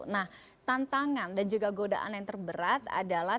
nah tantangan dan juga godaan yang terberat adalah